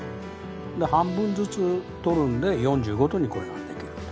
半分ずつ取るんで４５度にこれができると。